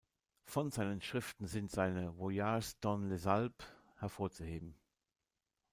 Von seinen Schriften sind seine "Voyages dans les Alpes" hervorzuheben.